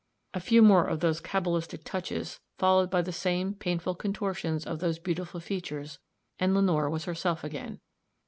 A few more of those cabalistic touches, followed by the same painful contortions of those beautiful features, and Lenore was herself again.